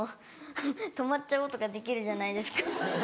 泊まっちゃおうとかできるじゃないですか。